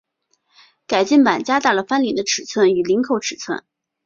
改进版加大了翻领的尺寸与领口尺寸。